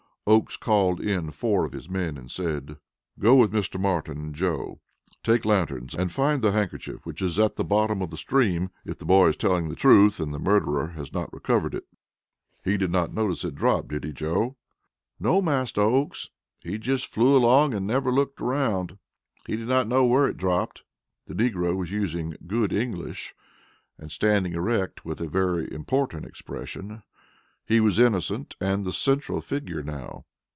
Oakes called in four of his men and said: "Go with Mr. Martin and Joe. Take lanterns, and find the handkerchief which is at the bottom of the stream if the boy is telling the truth, and the murderer has not recovered it. He did not notice it drop, did he, Joe?" "No, Master Oakes; he just flew along and never looked round. He did not know where it dropped." The negro was using good English, and standing erect with a very important expression. He was innocent, and the central figure now.